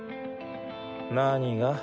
何が？